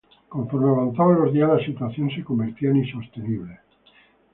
Conforme avanzaban los días, la situación se convertía en insostenible.